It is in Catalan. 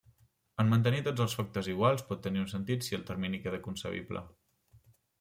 En mantenir tots els factors iguals, pot tenir un sentit si el termini queda concebible.